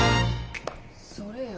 それ！